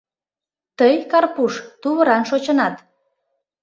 — Тый, Карпуш, тувыран шочынат.